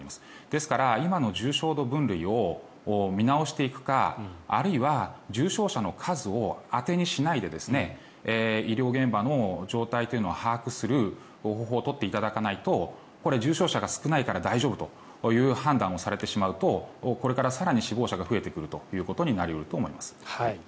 ですから、今の重症度分類を見直していくかあるいは重症者の数を当てにしないで医療現場の状態というのを把握する方法を取っていただかないと重症者が少ないから大丈夫という判断をされてしまうとこれから更に死亡者が増えてくるということになり得ると思います。